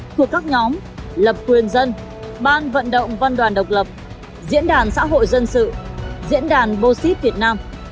thuộc các nhóm lập quyền dân ban vận động văn đoàn độc lập diễn đàn xã hội dân sự diễn đàn bosit việt nam